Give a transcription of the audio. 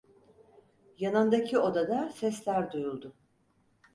Yanındaki odada sesler duyuldu.